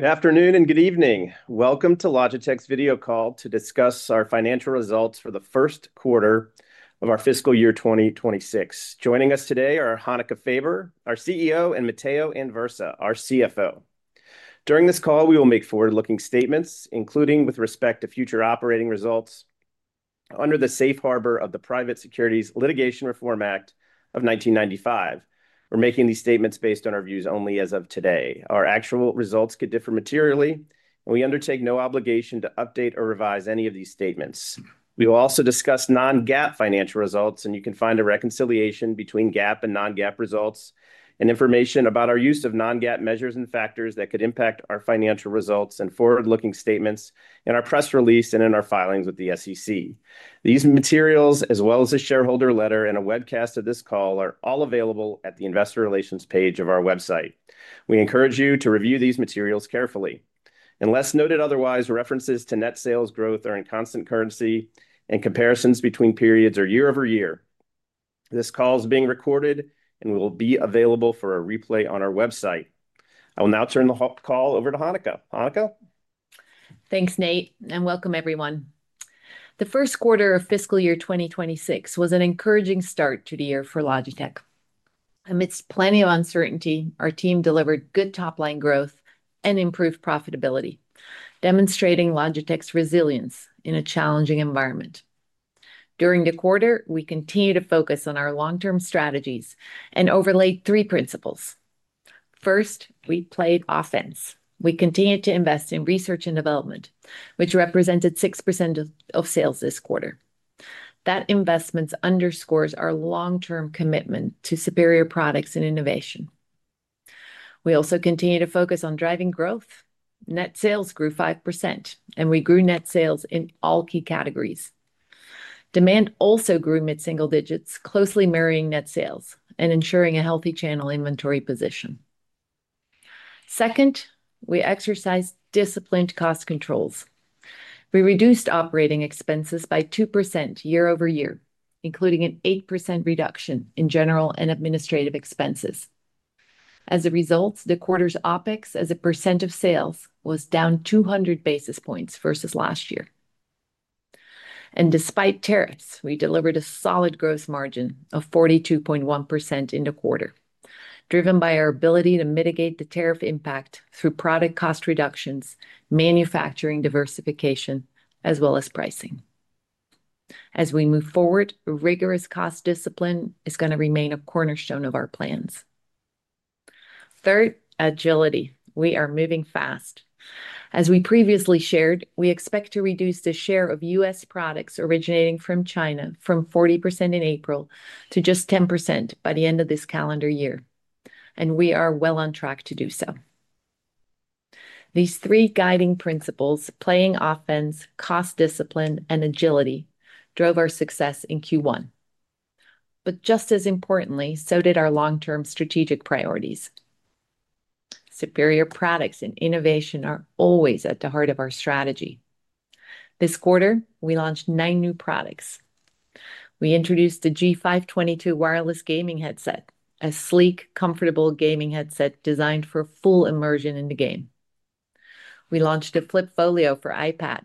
Good afternoon and good evening. Welcome to Logitech's video call to discuss our financial results for the first quarter of our fiscal year 2026. Joining us today are Hanneke Faber, our CEO, and Matteo Anversa, our CFO. During this call, we will make forward-looking statements, including with respect to future operating results under the safe harbor of the Private Securities Litigation Reform Act of 1995. We're making these statements based on our views only as of today. Our actual results could differ materially, and we undertake no obligation to update or revise any of these statements. We will also discuss non-GAAP financial results, and you can find a reconciliation between GAAP and non-GAAP results, and information about our use of non-GAAP measures and factors that could impact our financial results and forward-looking statements in our press release and in our filings with the SEC. These materials, as well as the shareholder letter and a webcast of this call, are all available at the investor relations page of our website. We encourage you to review these materials carefully. Unless noted otherwise, references to net sales growth are in constant currency and comparisons between periods are year-over-year. This call is being recorded and will be available for a replay on our website. I will now turn the call over to Hanneke. Hanneke? Thanks, Nate, and welcome everyone. The first quarter of fiscal year 2026 was an encouraging start to the year for Logitech. Amidst plenty of uncertainty, our team delivered good top-line growth and improved profitability, demonstrating Logitech's resilience in a challenging environment. During the quarter, we continued to focus on our long-term strategies and overlaid three principles. First, we played offense. We continued to invest in research and development, which represented 6% of sales this quarter. That investment underscores our long-term commitment to superior products and innovation. We also continued to focus on driving growth. Net sales grew 5%, and we grew net sales in all key categories. Demand also grew mid-single digits, closely marrying net sales and ensuring a healthy channel inventory position. Second, we exercised disciplined cost controls. We reduced operating expenses by 2% year-over-year, including an 8% reduction in general and administrative expenses. As a result, the quarter's OpEx as a percent of sales was down 200 basis points versus last year. Despite tariffs, we delivered a solid gross margin of 42.1% in the quarter, driven by our ability to mitigate the tariff impact through product cost reductions, manufacturing diversification, as well as pricing. As we move forward, rigorous cost discipline is going to remain a cornerstone of our plans. Third, agility. We are moving fast. As we previously shared, we expect to reduce the share of U.S. products originating from China from 40% in April to just 10% by the end of this calendar year, and we are well on track to do so. These three guiding principles, playing offense, cost discipline, and agility, drove our success in Q1. Just as importantly, so did our long-term strategic priorities. Superior products and innovation are always at the heart of our strategy. This quarter, we launched nine new products. We introduced the G522 wireless gaming headset, a sleek, comfortable gaming headset designed for full immersion in the game. We launched a Flip Folio for iPad,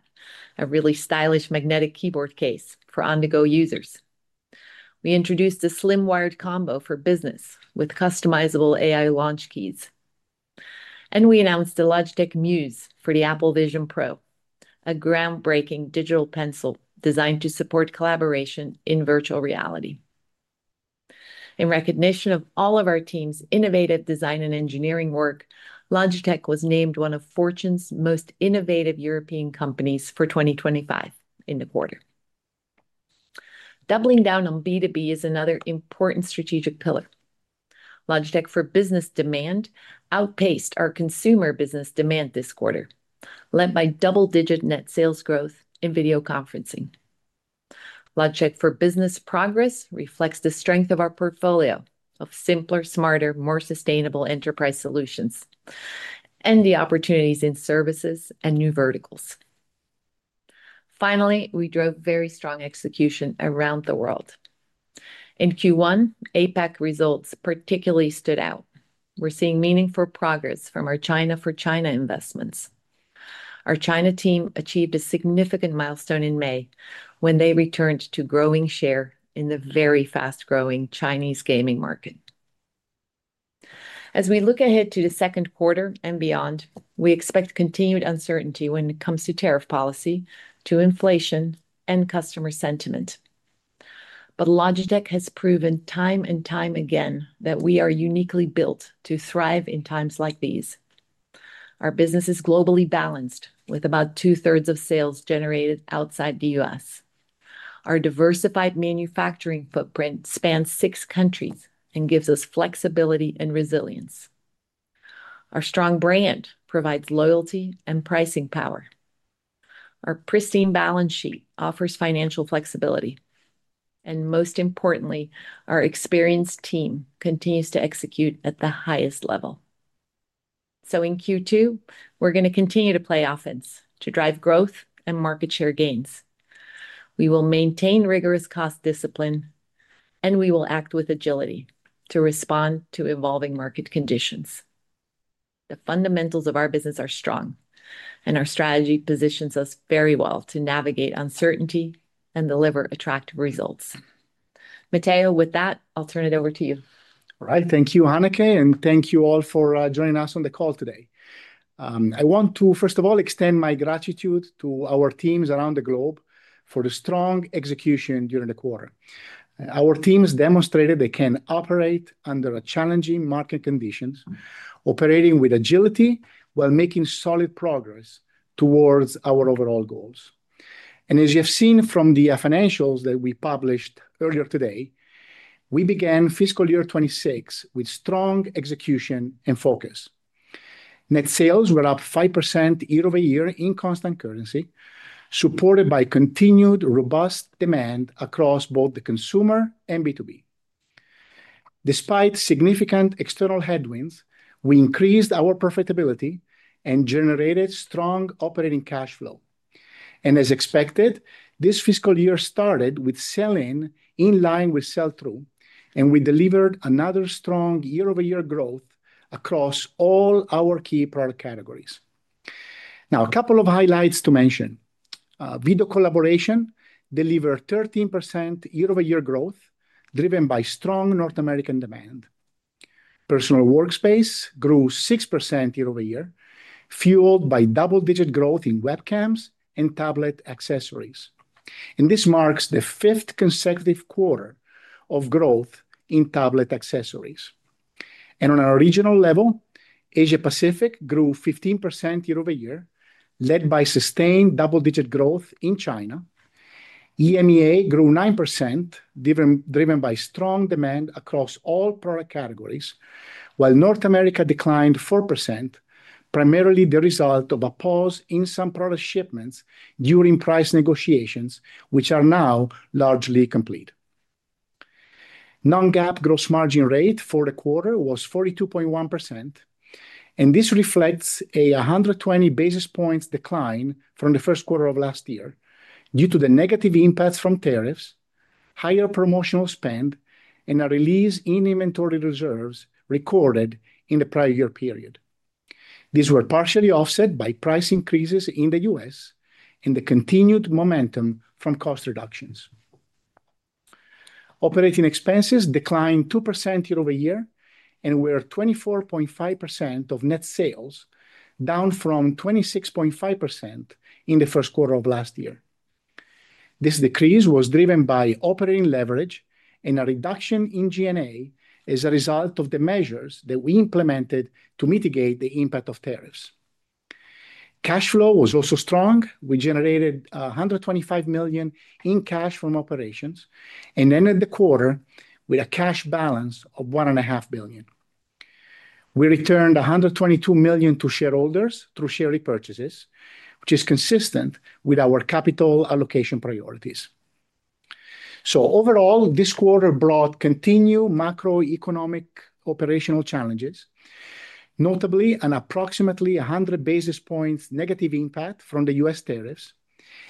a really stylish magnetic keyboard case for on-the-go users. We introduced a slim wired combo for business with customizable AI launch keys. We announced the Logitech Muse for the Apple Vision Pro, a groundbreaking digital pencil designed to support collaboration in virtual reality. In recognition of all of our team's innovative design and engineering work, Logitech was named one of Fortune's most innovative European companies for 2025 in the quarter. Doubling down on B2B is another important strategic pillar. Logitech for business demand outpaced our consumer business demand this quarter, led by double-digit net sales growth in video conferencing. Logitech for Business progress reflects the strength of our portfolio of simpler, smarter, more sustainable enterprise solutions and the opportunities in services and new verticals. Finally, we drove very strong execution around the world. In Q1, APAC results particularly stood out. We're seeing meaningful progress from our China, For China investments. Our China team achieved a significant milestone in May when they returned to growing share in the very fast-growing Chinese gaming market. As we look ahead to the second quarter and beyond, we expect continued uncertainty when it comes to tariff policy, to inflation, and customer sentiment. Logitech has proven time and time again that we are uniquely built to thrive in times like these. Our business is globally balanced, with about 2/3 of sales generated outside the U.S. Our diversified manufacturing footprint spans six countries and gives us flexibility and resilience. Our strong brand provides loyalty and pricing power. Our pristine balance sheet offers financial flexibility. And most importantly, our experienced team continues to execute at the highest level. So in Q2, we're going to continue to play offense to drive growth and market share gains. We will maintain rigorous cost discipline, and we will act with agility to respond to evolving market conditions. The fundamentals of our business are strong, and our strategy positions us very well to navigate uncertainty and deliver attractive results. Matteo, with that, I'll turn it over to you. All right, thank you, Hanneke, and thank you all for joining us on the call today. I want to, first of all, extend my gratitude to our teams around the globe for the strong execution during the quarter. Our teams demonstrated they can operate under challenging market conditions, operating with agility while making solid progress towards our overall goals. As you have seen from the financials that we published earlier today, we began fiscal year 2026 with strong execution and focus. Net sales were up 5% year-over-year in constant currency, supported by continued robust demand across both the consumer and B2B. Despite significant external headwinds, we increased our profitability and generated strong operating cash flow. As expected, this fiscal year started with sell-in in line with sell-through, and we delivered another strong year-over-year growth across all our key product categories. Now, a couple of highlights to mention. Video collaboration delivered 13% year-over-year growth driven by strong North American demand. Personal workspace grew 6% year-over-year, fueled by double-digit growth in webcams and tablet accessories. This marks the fifth consecutive quarter of growth in tablet accessories. On our regional level, Asia-Pacific grew 15% year-over-year, led by sustained double-digit growth in China. EMEA grew 9%, driven by strong demand across all product categories, while North America declined 4%, primarily the result of a pause in some product shipments during price negotiations, which are now largely complete. Non-GAAP gross margin rate for the quarter was 42.1%. This reflects a 120 basis points decline from the first quarter of last year due to the negative impacts from tariffs, higher promotional spend, and a release in inventory reserves recorded in the prior year period. These were partially offset by price increases in the U.S. and the continued momentum from cost reductions. Operating expenses declined 2% year-over-year, and were 24.5% of net sales, down from 26.5% in the first quarter of last year. This decrease was driven by operating leverage and a reduction in G&A as a result of the measures that we implemented to mitigate the impact of tariffs. Cash flow was also strong. We generated $125 million in cash from operations and ended the quarter with a cash balance of $1.5 billion. We returned $122 million to shareholders through share repurchases, which is consistent with our capital allocation priorities. Overall, this quarter brought continued macroeconomic operational challenges. Notably, an approximately 100 basis points negative impact from the U.S. tariffs.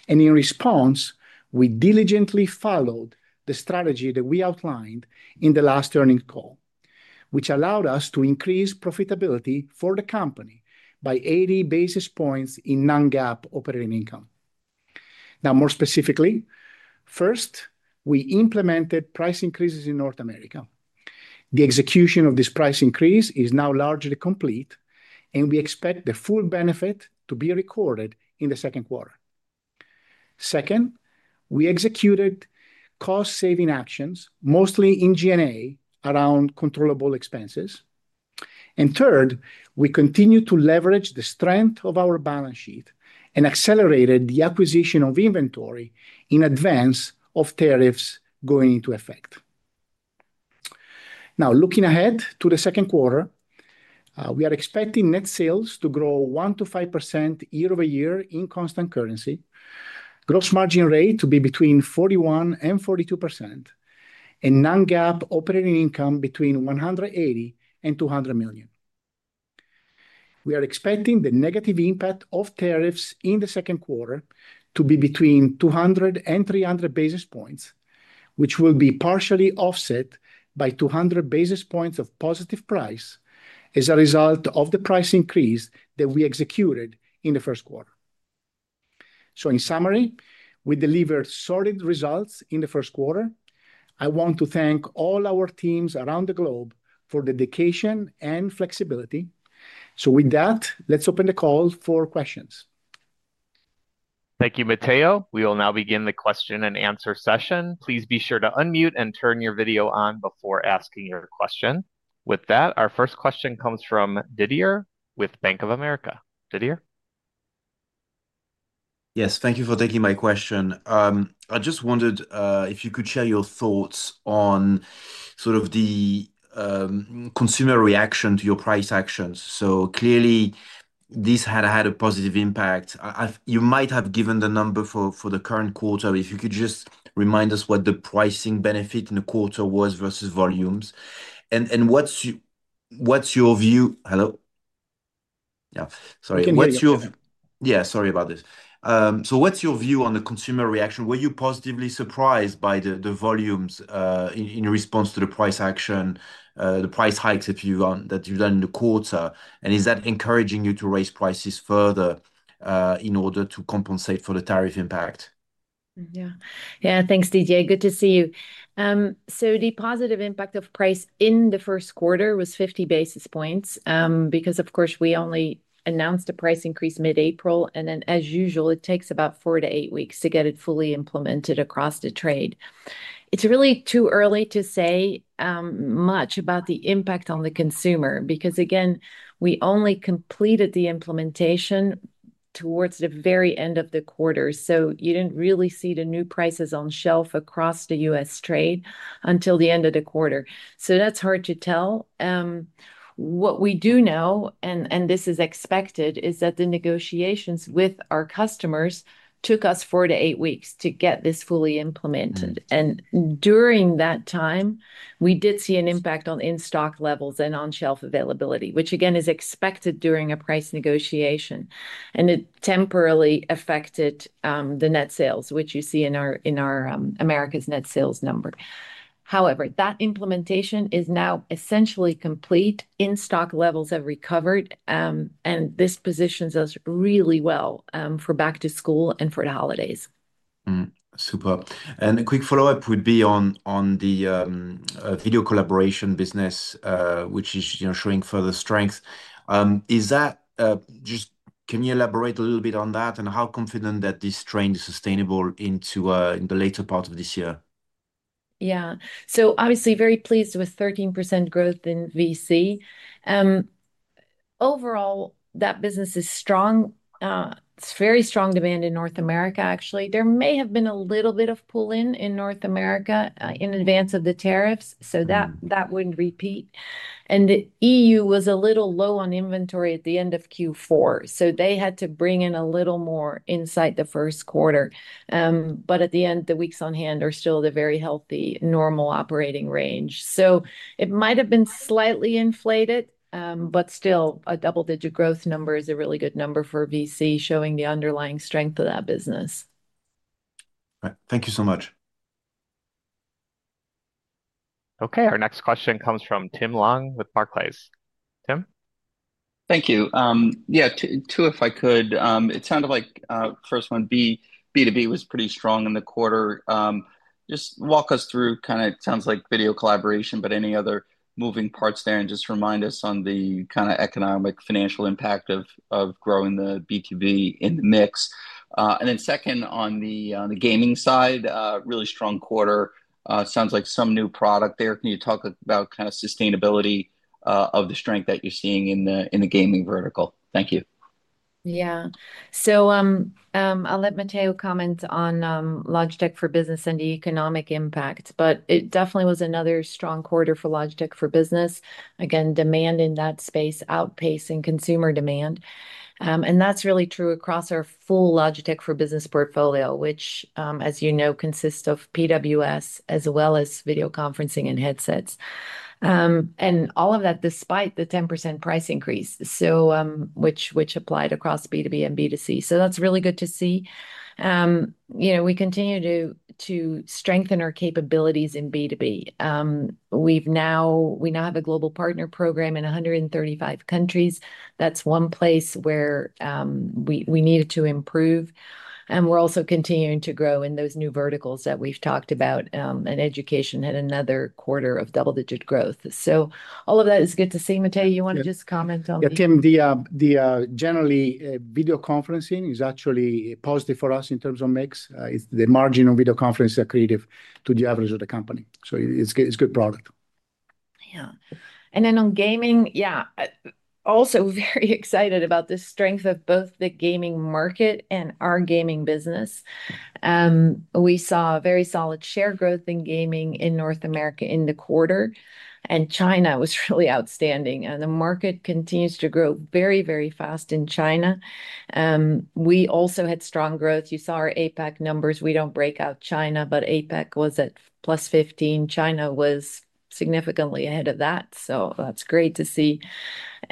In response, we diligently followed the strategy that we outlined in the last earnings call, which allowed us to increase profitability for the company by 80 basis points in non-GAAP operating income. Now, more specifically, first, we implemented price increases in North America. The execution of this price increase is now largely complete, and we expect the full benefit to be recorded in the second quarter. Second, we executed cost-saving actions, mostly in G&A, around controllable expenses. Third, we continue to leverage the strength of our balance sheet and accelerated the acquisition of inventory in advance of tariffs going into effect. Now, looking ahead to the second quarter, we are expecting net sales to grow 1% to 5% year-over-year in constant currency, gross margin rate to be between 41% and 42%, and non-GAAP operating income between $180 million and $200 million. We are expecting the negative impact of tariffs in the second quarter to be between 200 and 300 basis points, which will be partially offset by 200 basis points of positive price as a result of the price increase that we executed in the first quarter. In summary, we delivered solid results in the first quarter. I want to thank all our teams around the globe for the dedication and flexibility. With that, let's open the call for questions. Thank you, Matteo. We will now begin the question-and-answer session. Please be sure to unmute and turn your video on before asking your question. With that, our first question comes from Didier with Bank of America. Didier? Yes, thank you for taking my question. I just wondered if you could share your thoughts on sort of the consumer reaction to your price actions. Clearly, this had had a positive impact. You might have given the number for the current quarter, but if you could just remind us what the pricing benefit in the quarter was versus volumes. What's your view? Hello? Yeah, sorry. What's your view? Yeah, sorry about this. What's your view on the consumer reaction? Were you positively surprised by the volumes in response to the price action, the price hikes that you've done in the quarter? Is that encouraging you to raise prices further in order to compensate for the tariff impact? Yeah, yeah, thanks, Didier. Good to see you. The positive impact of price in the first quarter was 50 basis points because, of course, we only announced a price increase mid-April, and then, as usual, it takes about four to eight weeks to get it fully implemented across the trade. It's really too early to say much about the impact on the consumer because, again, we only completed the implementation towards the very end of the quarter. You did not really see the new prices on shelf across the U.S. trade until the end of the quarter. That is hard to tell. What we do know, and this is expected, is that the negotiations with our customers took us four to eight weeks to get this fully implemented. During that time, we did see an impact on in-stock levels and on-shelf availability, which, again, is expected during a price negotiation. It temporarily affected the net sales, which you see in our America's net sales number. However, that implementation is now essentially complete. In-stock levels have recovered, and this positions us really well for back to school and for the holidays. Super. A quick follow-up would be on the video collaboration business, which is showing further strength. Is that just, can you elaborate a little bit on that and how confident that this trend is sustainable into the later part of this year? Yeah, so obviously very pleased with 13% growth in VC. Overall, that business is strong. It's very strong demand in North America, actually. There may have been a little bit of pull-in in North America in advance of the tariffs, so that wouldn't repeat. The EU was a little low on inventory at the end of Q4, so they had to bring in a little more in the first quarter. At the end, the weeks on hand are still in the very healthy, normal operating range. It might have been slightly inflated, but still, a double-digit growth number is a really good number for VC, showing the underlying strength of that business. All right, thank you so much. Okay, our next question comes from Tim Long with Barclays. Tim? Thank you. Yeah, two, if I could. It sounded like first one, B2B was pretty strong in the quarter. Just walk us through kind of, it sounds like video collaboration, but any other moving parts there, and just remind us on the kind of economic, financial impact of growing the B2B in the mix. Then second, on the gaming side, really strong quarter. Sounds like some new product there. Can you talk about kind of sustainability of the strength that you're seeing in the gaming vertical? Thank you. Yeah, so. I'll let Matteo comment on Logitech for Business and the economic impact, but it definitely was another strong quarter for Logitech for Business. Again, demand in that space outpacing consumer demand. That's really true across our full Logitech for Business portfolio, which, as you know, consists of PWS as well as video conferencing and headsets. All of that despite the 10% price increase, which applied across B2B and B2C. That's really good to see. We continue to strengthen our capabilities in B2B. We now have a global partner program in 135 countries. That's one place where we needed to improve. We're also continuing to grow in those new verticals that we've talked about, and education had another quarter of double-digit growth. All of that is good to see. Matteo, you want to just comment on that? Yeah, Tim, generally, video conferencing is actually positive for us in terms of mix. The margin on video conference is accretive to the average of the company. So it's a good product. Yeah, and then on gaming, yeah, also very excited about the strength of both the gaming market and our gaming business. We saw very solid share growth in gaming in North America in the quarter, and China was really outstanding. The market continues to grow very, very fast in China. We also had strong growth. You saw our APAC numbers. We do not break out China, but APAC was at +15%. China was significantly ahead of that. That is great to see.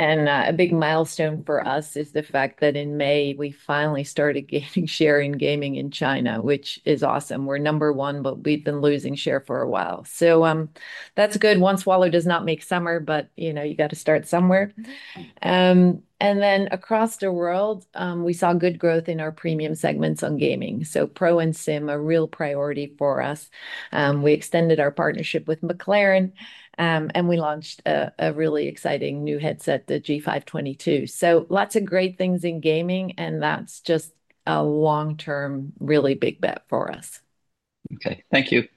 A big milestone for us is the fact that in May, we finally started getting share in gaming in China, which is awesome. We are number one, but we have been losing share for a while. That is good. One swallow does not make summer, but you got to start somewhere. Across the world, we saw good growth in our premium segments on gaming. Pro and SIM are a real priority for us. We extended our partnership with McLaren, and we launched a really exciting new headset, the G522. Lots of great things in gaming, and that is just a long-term, really big bet for us. Okay, thank you.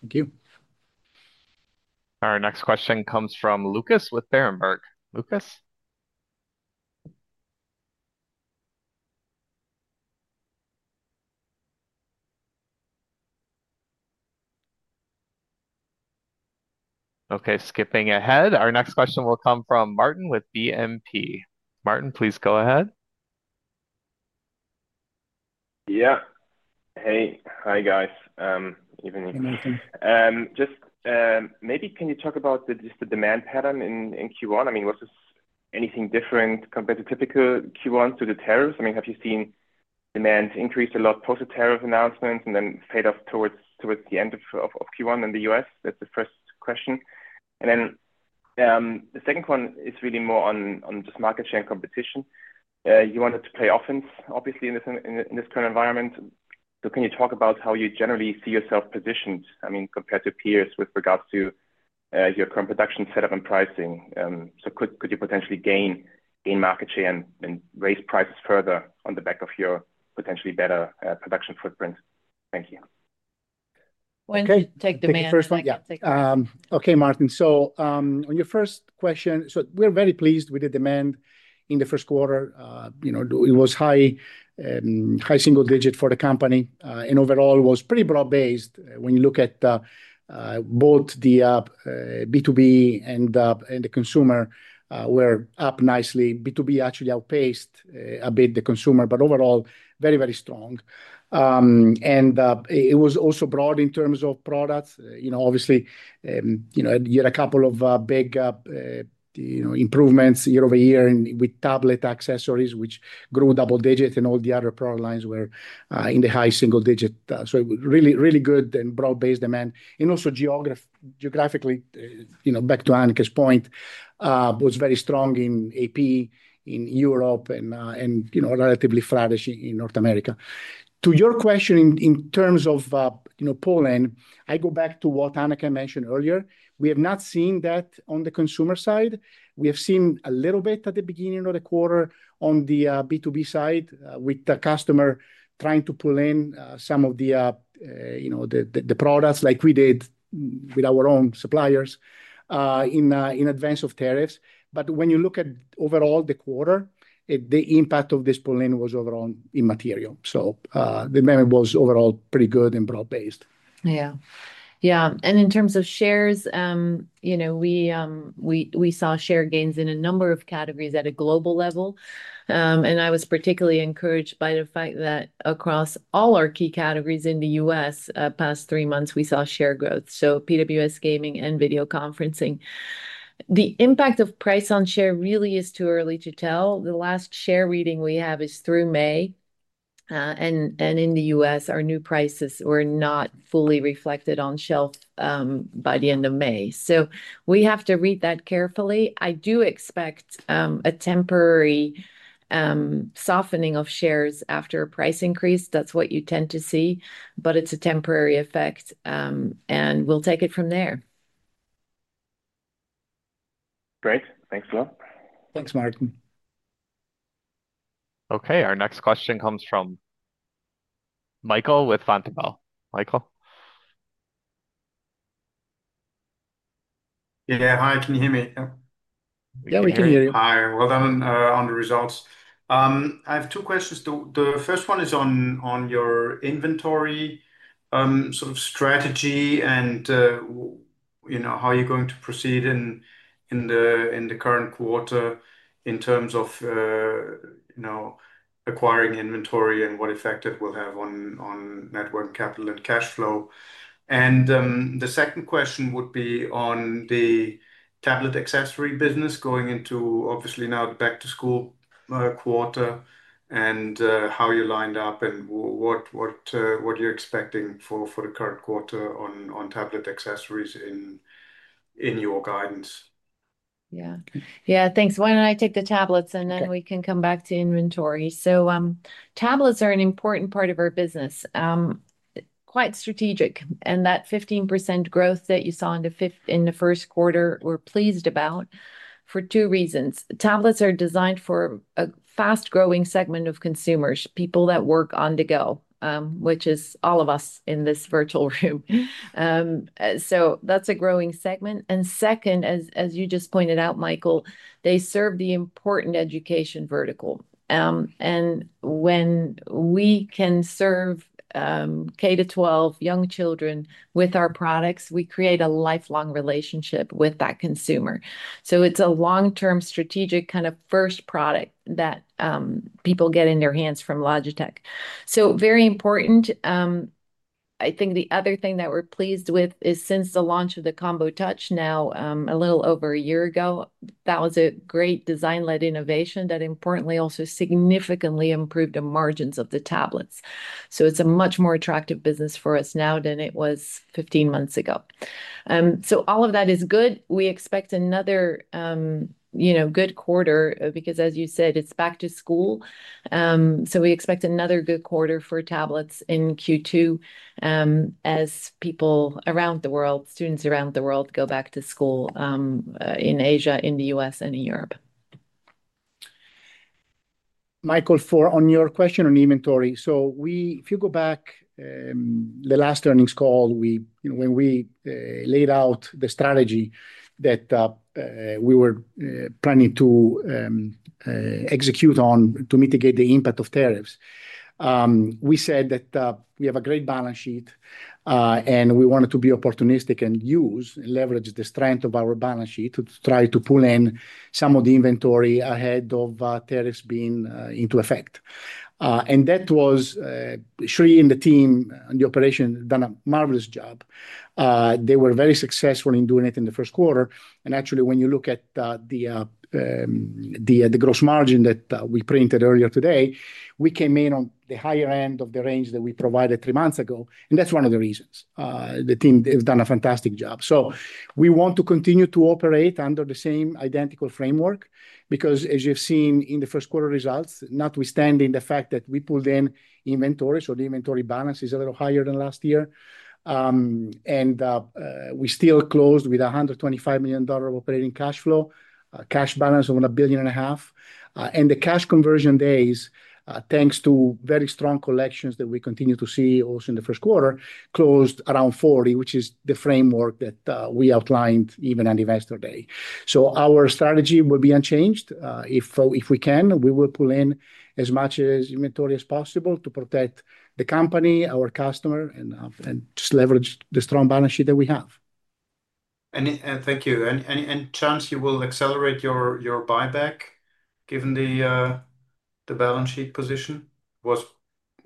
Thank you. Our next question comes from Lucas with Berenberg. Lucas? Okay, skipping ahead, our next question will come from Martin with BNP. Martin, please go ahead. Yeah. Hey, hi guys. Good evening. Just. Maybe can you talk about just the demand pattern in Q1? I mean, was this anything different compared to typical Q1s to the tariffs? I mean, have you seen demand increase a lot post-tariff announcements and then fade off towards the end of Q1 in the U.S.? That's the first question. The second one is really more on just market share and competition. You wanted to play offense, obviously, in this current environment. Can you talk about how you generally see yourself positioned, I mean, compared to peers with regards to your current production setup and pricing? Could you potentially gain market share and raise prices further on the back of your potentially better production footprint? Thank you. Want to take demand? Okay, Martin, so on your first question, we're very pleased with the demand in the first quarter. It was high single digit for the company, and overall, it was pretty broad-based. When you look at both the B2B and the consumer, we're up nicely. B2B actually outpaced a bit the consumer, but overall, very, very strong. It was also broad in terms of products. Obviously, you had a couple of big improvements year-over-year with tablet accessories, which grew double-digit, and all the other product lines were in the high single-digit. Really, really good and broad-based demand. Also geographically, back to Hanneke's point, it was very strong in AP, in Europe, and relatively flourishing in North America. To your question, in terms of Poland, I go back to what Hanneke mentioned earlier. We have not seen that on the consumer side. We have seen a little bit at the beginning of the quarter on the B2B side with the customer trying to pull in some of the products like we did with our own suppliers in advance of tariffs. When you look at overall the quarter, the impact of this pull-in was overall immaterial. The demand was overall pretty good and broad-based. Yeah, yeah. In terms of shares, we saw share gains in a number of categories at a global level. I was particularly encouraged by the fact that across all our key categories in the U.S., past three months, we saw share growth. PWS gaming and video conferencing. The impact of price on share really is too early to tell. The last share reading we have is through May, and in the U.S., our new prices were not fully reflected on shelf by the end of May. We have to read that carefully. I do expect a temporary softening of shares after a price increase. That's what you tend to see, but it's a temporary effect, and we'll take it from there. Great. Thanks a lot. Thanks, Martin. Okay, our next question comes from Michael with Vontobel. Michael? Yeah, hi. Can you hear me? Yeah, we can hear you. Hi. Well done on the results. I have two questions. The first one is on your inventory, sort of strategy and how you're going to proceed in the current quarter in terms of acquiring inventory and what effect it will have on net working capital and cash flow. The second question would be on the tablet accessory business going into obviously now the back to school quarter and how you lined up and what you're expecting for the current quarter on tablet accessories in your guidance? Yeah, yeah, thanks. Why don't I take the tablets and then we can come back to inventory. Tablets are an important part of our business. Quite strategic. That 15% growth that you saw in the first quarter, we're pleased about for two reasons. Tablets are designed for a fast-growing segment of consumers, people that work on the go, which is all of us in this virtual room. That is a growing segment. Second, as you just pointed out, Michael, they serve the important education vertical. When we can serve K to 12, young children with our products, we create a lifelong relationship with that consumer. It is a long-term strategic kind of first product that people get in their hands from Logitech. Very important. I think the other thing that we're pleased with is since the launch of the Combo Touch now a little over a year ago, that was a great design-led innovation that importantly also significantly improved the margins of the tablets. It is a much more attractive business for us now than it was 15 months ago. All of that is good. We expect another good quarter because, as you said, it is back to school. We expect another good quarter for tablets in Q2 as people around the world, students around the world, go back to school in Asia, in the U.S., and in Europe. Michael, for on your question on inventory, if you go back, the last earnings call, when we laid out the strategy that we were planning to execute on to mitigate the impact of tariffs. We said that we have a great balance sheet and we wanted to be opportunistic and use and leverage the strength of our balance sheet to try to pull in some of the inventory ahead of tariffs being into effect. That was Sree and the team and the operation done a marvelous job. They were very successful in doing it in the first quarter. Actually, when you look at the gross margin that we printed earlier today, we came in on the higher end of the range that we provided three months ago. That is one of the reasons. The team has done a fantastic job. We want to continue to operate under the same identical framework because, as you have seen in the first quarter results, notwithstanding the fact that we pulled in inventory, the inventory balance is a little higher than last year. We still closed with $125 million of operating cash flow, cash balance of $1.5 billion. The cash conversion days, thanks to very strong collections that we continue to see also in the first quarter, closed around $40 million, which is the framework that we outlined even on Investor Day. Our strategy will be unchanged. If we can, we will pull in as much inventory as possible to protect the company, our customer, and just leverage the strong balance sheet that we have. Thank you. Any chance you will accelerate your buyback? Given the balance sheet position was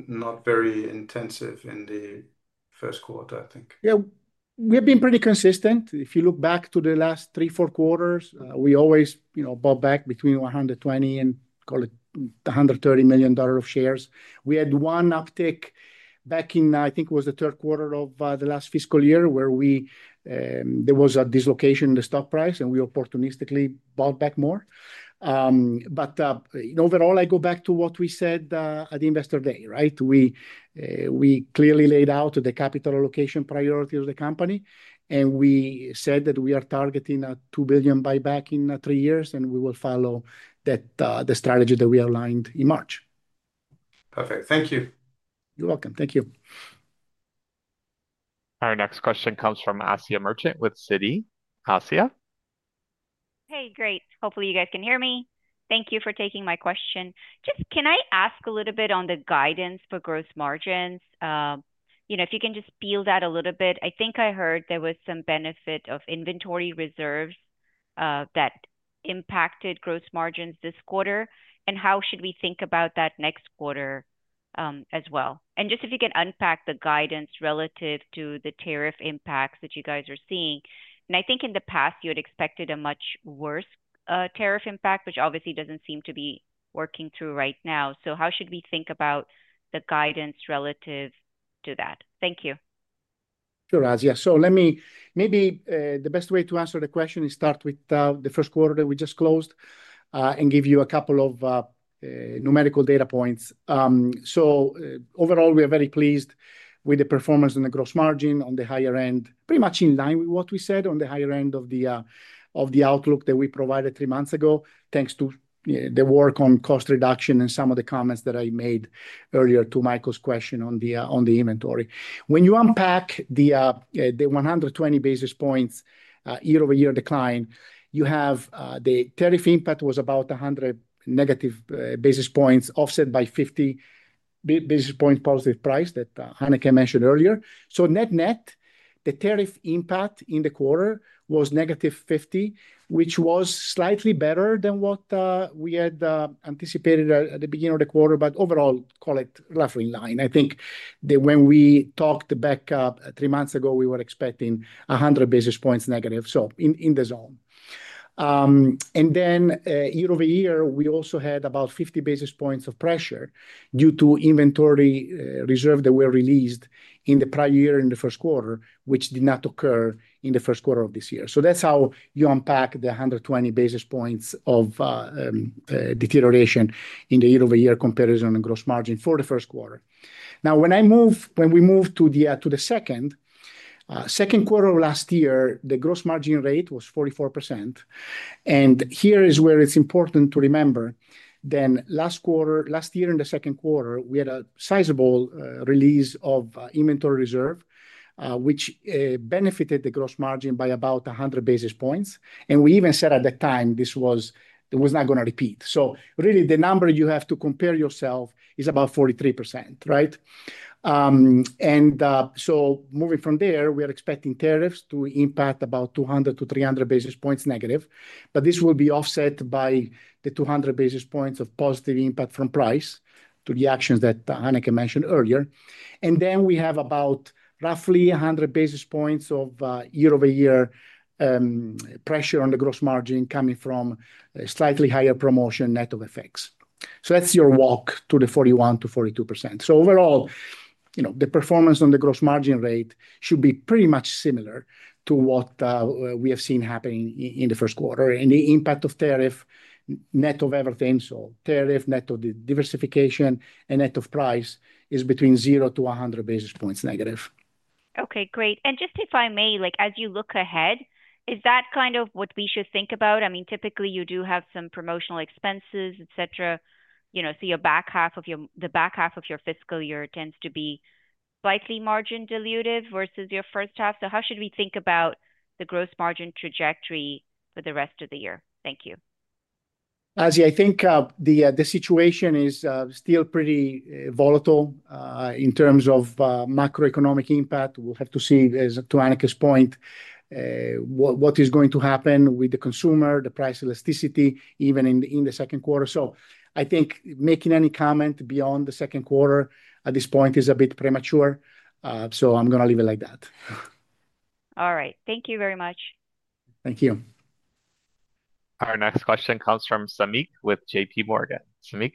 not very intensive in the first quarter, I think. Yeah, we have been pretty consistent. If you look back to the last three, four quarters, we always bought back between $120 million and, call it, $130 million of shares. We had one uptick back in, I think it was the third quarter of the last fiscal year where there was a dislocation in the stock price, and we opportunistically bought back more. Overall, I go back to what we said at Investor Day, right? We clearly laid out the capital allocation priority of the company, and we said that we are targeting a $2 billion buyback in three years, and we will follow the strategy that we aligned in March. Perfect. Thank you. You're welcome. Thank you. Our next question comes from Asiya Merchant with Citi. Asiya? Hey, great. Hopefully, you guys can hear me. Thank you for taking my question. Just can I ask a little bit on the guidance for gross margins? If you can just peel that a little bit, I think I heard there was some benefit of inventory reserves that impacted gross margins this quarter. How should we think about that next quarter as well? If you can unpack the guidance relative to the tariff impacts that you guys are seeing. I think in the past, you had expected a much worse tariff impact, which obviously does not seem to be working through right now. How should we think about the guidance relative to that? Thank you. Sure, Asiya. Maybe the best way to answer the question is start with the first quarter that we just closed and give you a couple of numerical data points. Overall, we are very pleased with the performance on the gross margin on the higher end, pretty much in line with what we said on the higher end of the outlook that we provided three months ago, thanks to the work on cost reduction and some of the comments that I made earlier to Michael's question on the inventory. When you unpack the 120 basis points year-over-year decline, you have the tariff impact was about 100 negative basis points offset by 50 basis points positive price that Hanneke mentioned earlier. Net-net, the tariff impact in the quarter was -50, which was slightly better than what we had anticipated at the beginning of the quarter, but overall, call it roughly in line. I think when we talked back three months ago, we were expecting 100 basis points negative, so in the zone. Year-over-year, we also had about 50 basis points of pressure due to inventory reserves that were released in the prior year in the first quarter, which did not occur in the first quarter of this year. That is how you unpack the 120 basis points of deterioration in the year-over-year comparison and gross margin for the first quarter. Now, when we move to the second quarter of last year, the gross margin rate was 44%. Here is where it is important to remember that last quarter, last year in the second quarter, we had a sizable release of inventory reserve, which benefited the gross margin by about 100 basis points. We even said at that time this was not going to repeat. Really, the number you have to compare yourself is about 43%, right? Moving from there, we are expecting tariffs to impact about 200 to 300 basis points negative. This will be offset by the 200 basis points of positive impact from price to the actions that Hanneke mentioned earlier. Then we have about roughly 100 basis points of year-over-year pressure on the gross margin coming from slightly higher promotion net of effects. That is your walk to the 41 to 42%. Overall, the performance on the gross margin rate should be pretty much similar to what we have seen happening in the first quarter. The impact of tariff, net of everything, so tariff, net of the diversification, and net of price is between 0 to 100 basis points negative. Okay, great. And just if I may, as you look ahead, is that kind of what we should think about? I mean, typically, you do have some promotional expenses, et cetera. The back half of your fiscal year tends to be slightly margin diluted versus your first half. How should we think about the gross margin trajectory for the rest of the year? Thank you. Asiya, I think the situation is still pretty volatile in terms of macroeconomic impact. We'll have to see, to Hanneke's point. What is going to happen with the consumer, the price elasticity, even in the second quarter. I think making any comment beyond the second quarter at this point is a bit premature. I'm going to leave it like that. All right. Thank you very much. Thank you. Our next question comes from Samik with JPMorgan. Samik?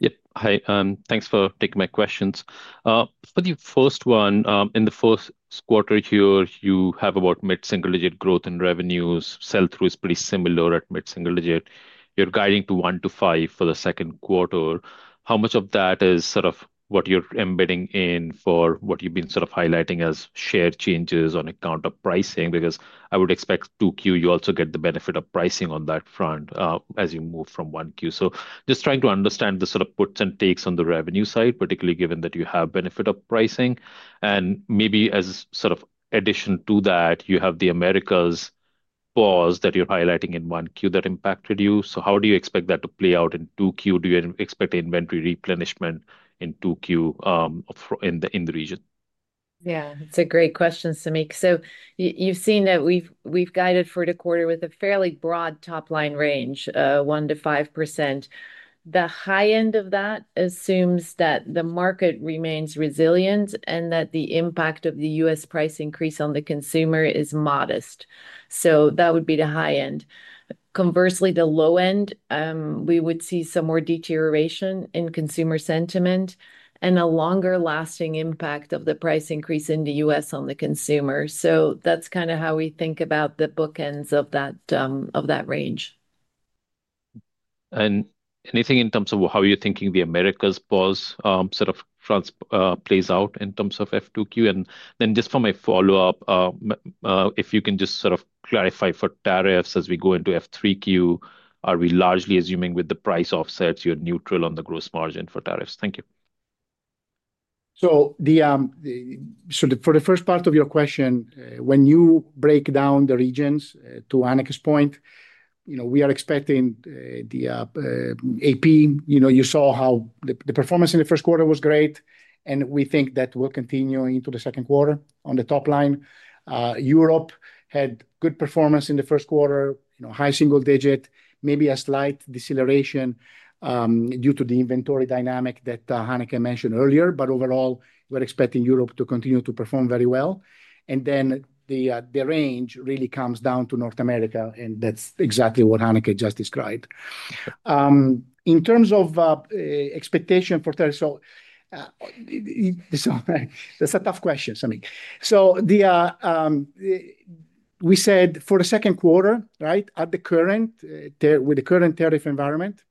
Yep. Hi. Thanks for taking my questions. For the first one, in the first quarter here, you have about mid-single digit growth in revenues. Sell-through is pretty similar at mid-single digit. You're guiding to one to five for the second quarter. How much of that is sort of what you're embedding in for what you've been sort of highlighting as share changes on account of pricing? Because I would expect 2Q, you also get the benefit of pricing on that front as you move from 1Q. Just trying to understand the sort of puts and takes on the revenue side, particularly given that you have benefit of pricing. Maybe as sort of addition to that, you have the Americas pause that you're highlighting in 1Q that impacted you. How do you expect that to play out in 2Q? Do you expect inventory replenishment in 2Q in the region? Yeah, that's a great question, Samik. You've seen that we've guided for the quarter with a fairly broad top line range, 1%-5%. The high end of that assumes that the market remains resilient and that the impact of the U.S. price increase on the consumer is modest. That would be the high end. Conversely, the low end, we would see some more deterioration in consumer sentiment and a longer-lasting impact of the price increase in the U.S. on the consumer. That's kind of how we think about the bookends of that range. Anything in terms of how you're thinking the Americas pause sort of plays out in terms of F2Q? For my follow-up, if you can just sort of clarify for tariffs as we go into F3Q, are we largely assuming with the price offsets, you're neutral on the gross margin for tariffs? Thank you. For the first part of your question, when you break down the regions to Hanneke's point, we are expecting AP, you saw how the performance in the first quarter was great, and we think that will continue into the second quarter on the top line. Europe had good performance in the first quarter, high single-digit, maybe a slight deceleration due to the inventory dynamic that Hanneke mentioned earlier. Overall, we are expecting Europe to continue to perform very well. The range really comes down to North America, and that is exactly what Hanneke just described. In terms of expectation for tariffs, that is a tough question, Samik. We said for the second quarter, right, with the current tariff environment,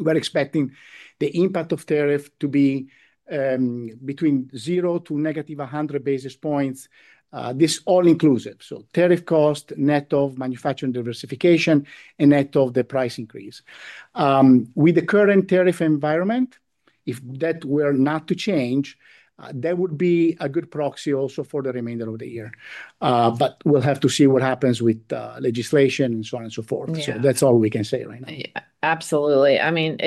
we are expecting the impact of tariff to be between zero to negative 100 basis points, this all-inclusive. Tariff cost, net of manufacturing diversification, and net of the price increase. With the current tariff environment, if that were not to change, that would be a good proxy also for the remainder of the year. We will have to see what happens with legislation and so on and so forth. That is all we can say right now. Absolutely. I mean,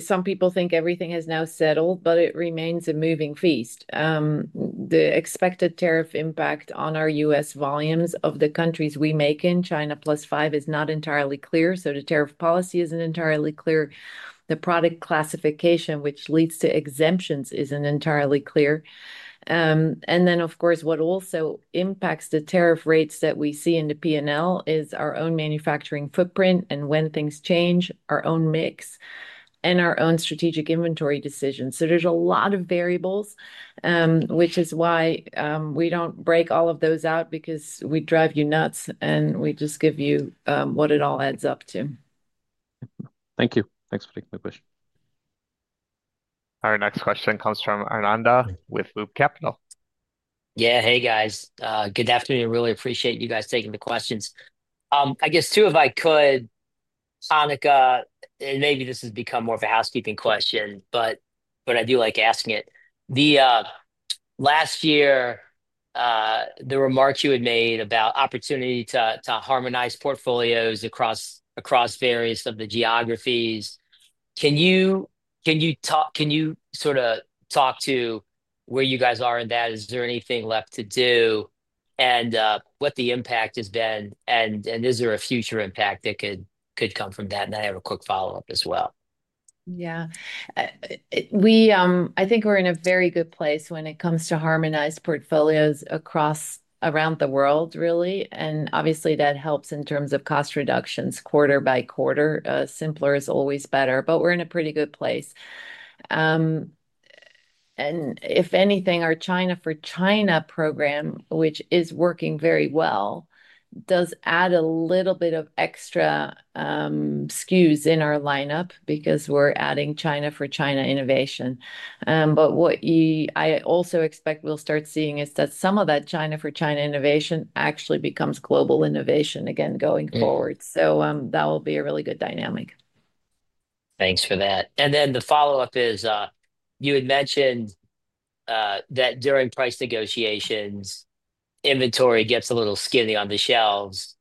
some people think everything is now settled, but it remains a moving feast. The expected tariff impact on our U.S. volumes of the countries we make in, China plus five, is not entirely clear. The tariff policy is not entirely clear. The product classification, which leads to exemptions, is not entirely clear. Of course, what also impacts the tariff rates that we see in the P&L is our own manufacturing footprint and when things change, our own mix, and our own strategic inventory decisions. There are a lot of variables, which is why we do not break all of those out because we would drive you nuts and we just give you what it all adds up to. Thank you. Thanks for taking my question. Our next question comes from Arnanda with Loop Capital. Yeah, hey, guys. Good afternoon. Really appreciate you guys taking the questions. I guess two if I could. Hanneke, and maybe this has become more of a housekeeping question, but I do like asking it. Last year, the remarks you had made about opportunity to harmonize portfolios across various of the geographies. Can you sort of talk to where you guys are in that? Is there anything left to do, and what the impact has been? Is there a future impact that could come from that? I have a quick follow-up as well. Yeah. I think we're in a very good place when it comes to harmonized portfolios around the world, really. Obviously, that helps in terms of cost reductions quarter by quarter. Simpler is always better, but we're in a pretty good place. If anything, our China, For China program, which is working very well, does add a little bit of extra SKUs in our lineup because we're adding China, For China innovation. What I also expect we'll start seeing is that some of that China, For China innovation actually becomes global innovation again going forward. That will be a really good dynamic. Thanks for that. The follow-up is you had mentioned that during price negotiations, inventory gets a little skinny on the shelves,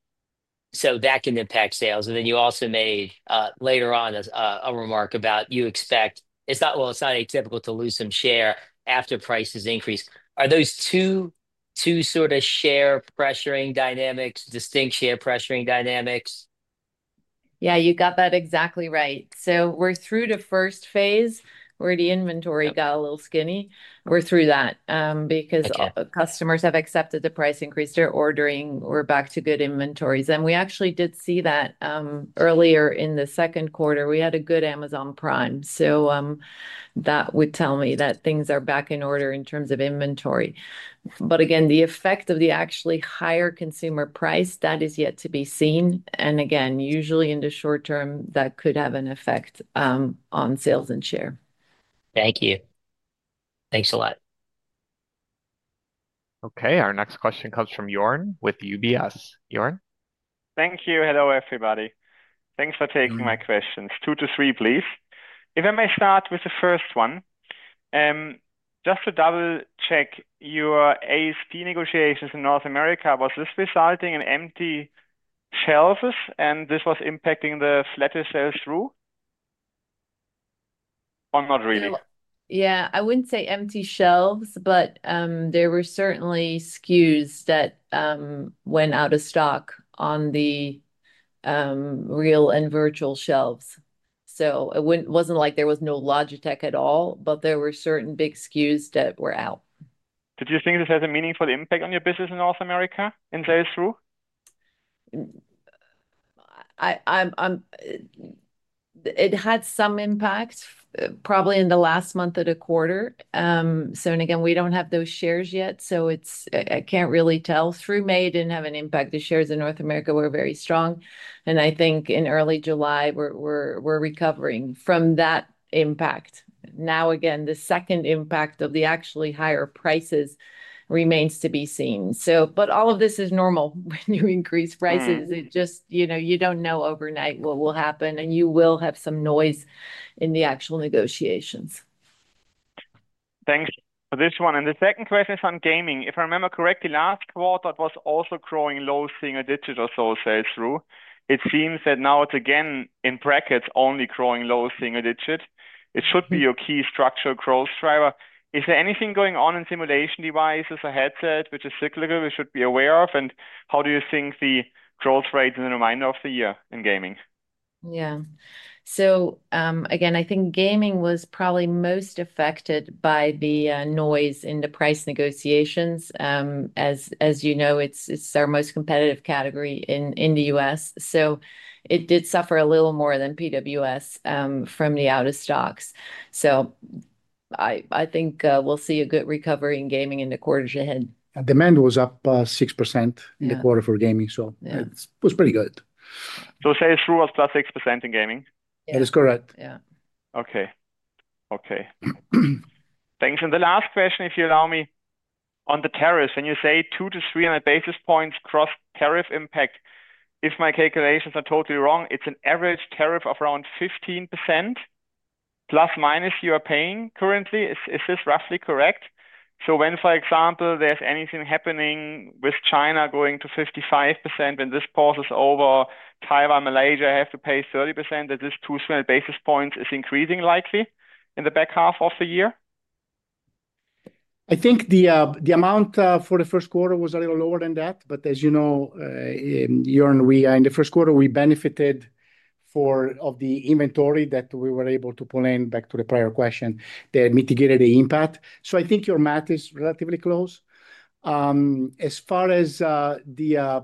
so that can impact sales. You also made later on a remark about you expect, well, it's not atypical to lose some share after prices increase. Are those two sort of share pressuring dynamics, distinct share pressuring dynamics? Yeah, you got that exactly right. We're through the first phase where the inventory got a little skinny. We're through that because customers have accepted the price increase. They're ordering. We're back to good inventories. We actually did see that earlier in the second quarter. We had a good Amazon Prime. That would tell me that things are back in order in terms of inventory. Again, the effect of the actually higher consumer price, that is yet to be seen. Again, usually in the short term, that could have an effect on sales and share. Thank you. Thanks a lot. Okay, our next question comes from Joern with UBS. Joern? Thank you. Hello, everybody. Thanks for taking my questions. Two to three, please. If I may start with the first one. Just to double-check, your ASP negotiations in North America, was this resulting in empty shelves and this was impacting the flatter sales through? Or not really? Yeah, I wouldn't say empty shelves, but there were certainly SKUs that went out of stock on the real and virtual shelves. It wasn't like there was no Logitech at all, but there were certain big SKUs that were out. Did you think this has a meaningful impact on your business in North America in sell-through? It had some impact probably in the last month of the quarter. Again, we do not have those shares yet, so I cannot really tell. Through May, it did not have an impact. The shares in North America were very strong. I think in early July, we are recovering from that impact. Again, the second impact of the actually higher prices remains to be seen. All of this is normal when you increase prices. You do not know overnight what will happen, and you will have some noise in the actual negotiations. Thanks for this one. The second question is on gaming. If I remember correctly, last quarter, it was also growing low single-digit or so sell-through. It seems that now it is again, in brackets, only growing low single-digit. It should be your key structural growth driver. Is there anything going on in simulation devices or headset which is cyclical we should be aware of? How do you think the growth rates in the remainder of the year in gaming? Yeah. Again, I think gaming was probably most affected by the noise in the price negotiations. As you know, it's our most competitive category in the U.S. So it did suffer a little more than PWS from the out of stocks. I think we'll see a good recovery in gaming in the quarters ahead. Demand was up 6% in the quarter for gaming. It was pretty good. Sales through was 6% in gaming? That is correct. Yeah. Okay. Okay. Thanks. The last question, if you allow me. On the tariffs, and you say 200 to 300 basis points cross tariff impact. If my calculations are totally wrong, it's an average tariff of around 15%± you are paying currently? Is this roughly correct? For example, when there's anything happening with China going to 55%, when this pause is over, Taiwan, Malaysia, have to pay 30%, that this 200 basis points is increasing likely in the back half of the year? I think the amount for the first quarter was a little lower than that. But as you know, Joern, in the first quarter, we benefited of the inventory that we were able to pull in back to the prior question. They mitigated the impact. I think your math is relatively close. As far as the,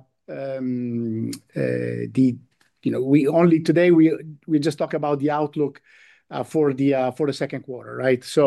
we only today, we just talk about the outlook for the second quarter, right?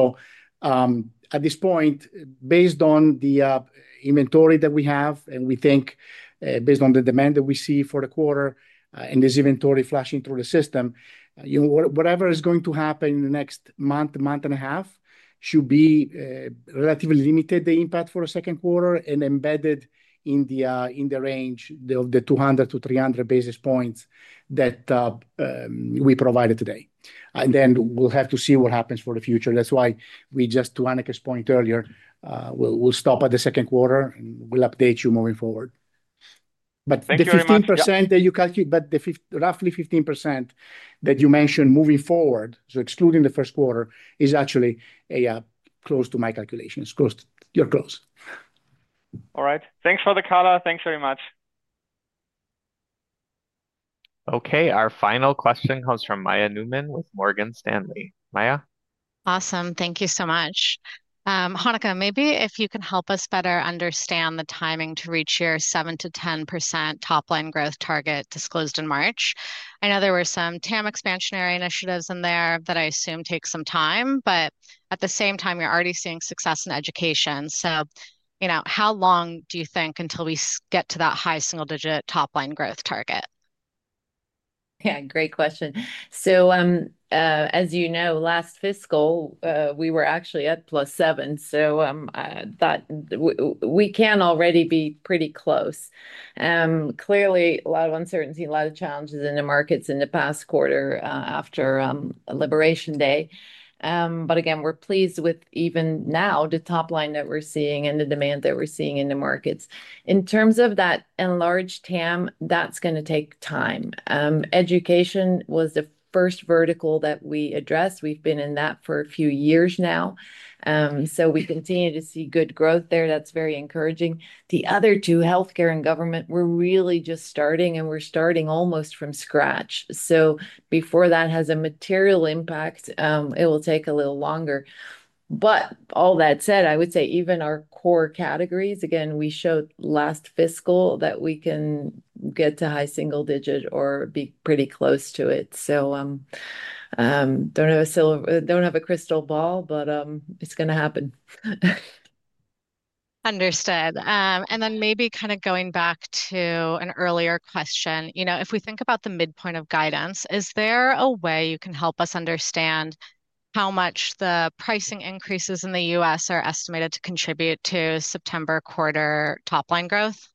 At this point, based on the inventory that we have and we think, based on the demand that we see for the quarter and this inventory flashing through the system, whatever is going to happen in the next month, month and a half should be relatively limited, the impact for the second quarter and embedded in the range of the 200 to 300 basis points that we provided today. Then we will have to see what happens for the future. That is why we just, to Hanneke's point earlier, we will stop at the second quarter and we will update you moving forward. The 15% that you calculate, the roughly 15% that you mentioned moving forward, so excluding the first quarter, is actually close to my calculations. You are close. All right. Thanks for the color. Thanks very much. Okay, our final question comes from Maya Neuman with Morgan Stanley. Maya? Awesome. Thank you so much. Hanneke, maybe if you can help us better understand the timing to reach your 7%-10% top-line growth target disclosed in March. I know there were some TAM expansionary initiatives in there that I assume take some time, but at the same time, you're already seeing success in education. How long do you think until we get to that high single-digit top-line growth target? Yeah, great question. As you know, last fiscal, we were actually at +7. We can already be pretty close. Clearly, a lot of uncertainty, a lot of challenges in the markets in the past quarter after Liberation Day. Again, we're pleased with even now the top line that we're seeing and the demand that we're seeing in the markets. In terms of that enlarged TAM, that's going to take time. Education was the first vertical that we addressed. We've been in that for a few years now. We continue to see good growth there. That's very encouraging. The other two, healthcare and government, we're really just starting and we're starting almost from scratch. Before that has a material impact, it will take a little longer. All that said, I would say even our core categories, again, we showed last fiscal that we can get to high single-digit or be pretty close to it. I don't have a crystal ball, but it's going to happen. Understood. Then maybe kind of going back to an earlier question, you know if we think about the midpoint of guidance, is there a way you can help us understand how much the pricing increases in the U.S. are estimated to contribute to September quarter top-line growth?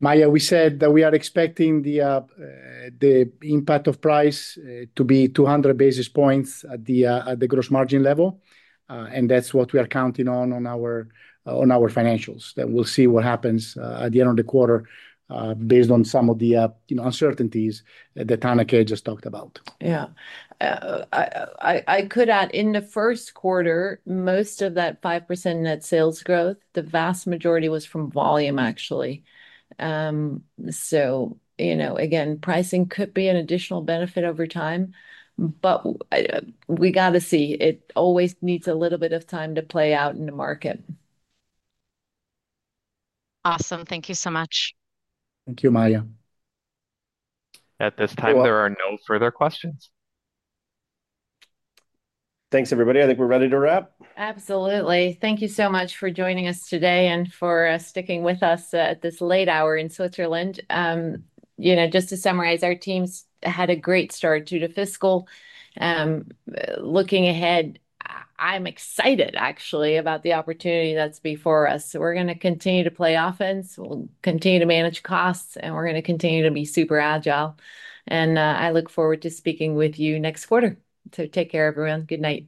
Maya, we said that we are expecting the impact of price to be 200 basis points at the gross margin level. That is what we are counting on our financials. We will see what happens at the end of the quarter based on some of the uncertainties that Hanneke just talked about. Yeah. I could add in the first quarter, most of that 5% net sales growth, the vast majority was from volume, actually. Pricing could be an additional benefit over time, but we got to see. It always needs a little bit of time to play out in the market. Awesome. Thank you so much. Thank you, Maya. At this time, there are no further questions. Thanks, everybody. I think we're ready to wrap. Absolutely. Thank you so much for joining us today and for sticking with us at this late hour in Switzerland. Just to summarize, our teams had a great start to the fiscal. Looking ahead, I'm excited actually about the opportunity that's before us. We are going to continue to play offense. We'll continue to manage costs, and we're going to continue to be super agile. I look forward to speaking with you next quarter. Take care, everyone. Good night.